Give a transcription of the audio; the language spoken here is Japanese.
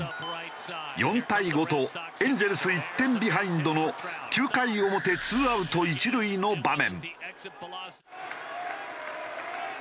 ４対５とエンゼルス１点ビハインドの９回表２アウト１塁の場面。